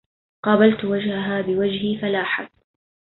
قابلت وجهها بوجهي فلاحت